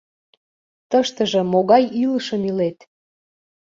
Тыштыже могай илышым илет?